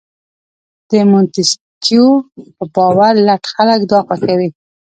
د مونتیسکیو په باور لټ خلک دا خوښوي.